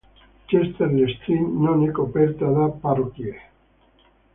Chester-le-Street non è coperta da parrocchie.